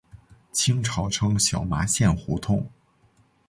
清朝称小麻线胡同。